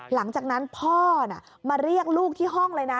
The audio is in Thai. หลังจากนั้นพ่อมาเรียกลูกที่ห้องเลยนะ